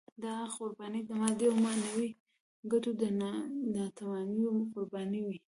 دا قربانۍ د مادي او معنوي ګټو د ناتمامیو قربانۍ وې.